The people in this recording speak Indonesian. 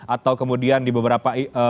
atau kemudian di beberapa